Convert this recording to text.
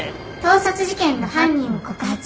「盗撮事件の犯人を告発します！」